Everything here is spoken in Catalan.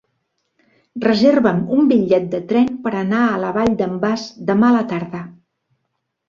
Reserva'm un bitllet de tren per anar a la Vall d'en Bas demà a la tarda.